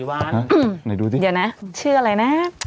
ไหนดูสิเดี๋ยวนะชื่ออะไรนะ